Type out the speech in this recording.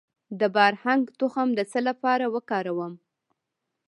د بارهنګ تخم د څه لپاره وکاروم؟